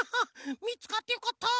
みつかってよかったフフフフ！